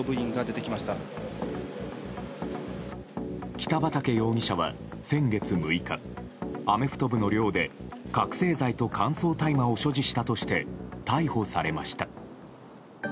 北畠容疑者は先月６日アメフト部の寮で覚醒剤と乾燥大麻を所持したとして逮捕されました。